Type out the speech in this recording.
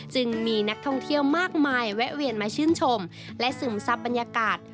จึงมีนักท่องเที่ยวมากมายแวะเวียนมาชื่นชมและซึมซับบรรยากาศ